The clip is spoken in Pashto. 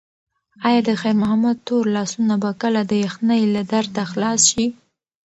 ایا د خیر محمد تور لاسونه به کله د یخنۍ له درده خلاص شي؟